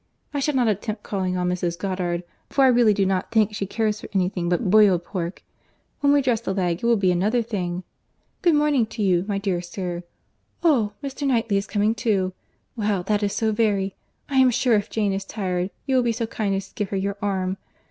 I shall not attempt calling on Mrs. Goddard, for I really do not think she cares for any thing but boiled pork: when we dress the leg it will be another thing. Good morning to you, my dear sir. Oh! Mr. Knightley is coming too. Well, that is so very!—I am sure if Jane is tired, you will be so kind as to give her your arm.—Mr.